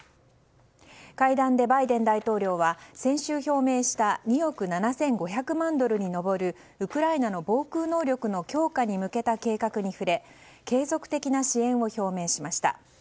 会談でバイデン大統領は先週表明した２億７５００万ドルに上るウクライナの防空能力の強化に向けた計画に触れ継続的な支援を表明しました。